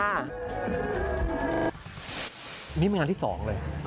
นี่เป็นงานที่สองเลย